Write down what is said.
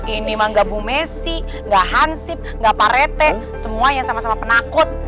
ini mah gak bumesi gak hansip gak parete semuanya sama sama penakut